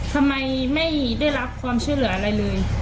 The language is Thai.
ทำไมไม่ได้รับความช่วยเหลืออะไรเลย